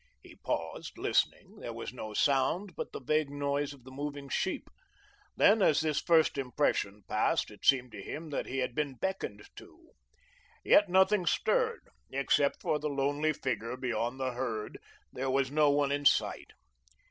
He paused, listening; there was no sound but the vague noise of the moving sheep. Then, as this first impression passed, it seemed to him that he had been beckoned to. Yet nothing stirred; except for the lonely figure beyond the herd there was no one in sight.